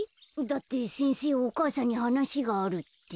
だって先生お母さんにはなしがあるって。